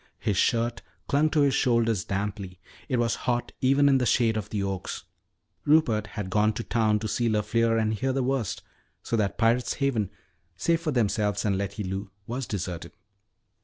His shirt clung to his shoulders damply. It was hot even in the shade of the oaks. Rupert had gone to town to see LeFleur and hear the worst, so that Pirate's Haven, save for themselves and Letty Lou, was deserted.